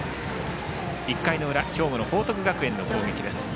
１回の裏、兵庫の報徳学園の攻撃。